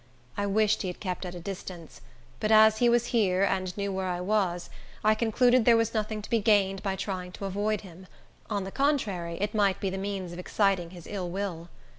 I wished he had kept at a distance, but as he was here, and knew where I was, I concluded there was nothing to be gained by trying to avoid him; on the contrary, it might be the means of exciting his ill will.